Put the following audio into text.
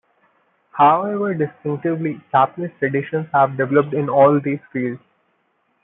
However distinctively Japanese traditions have developed in all these fields.